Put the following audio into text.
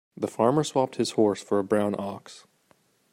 The farmer swapped his horse for a brown ox.